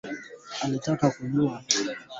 Akilihutubia taifa mara baada ya uamuzi kutangazwa